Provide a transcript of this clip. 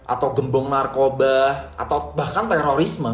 atau gembong narkoba atau bahkan terorisme